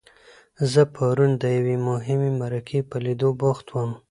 زه پرون د یوې مهمې مرکې په لیدو بوخت وم.